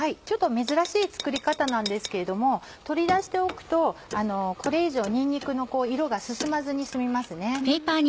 ちょっと珍しい作り方なんですけれども取り出しておくとこれ以上にんにくの色が進まずに済みますね。